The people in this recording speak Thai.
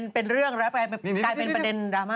เป็นเรื่องแล้วกลายเป็นประเด็นดราม่า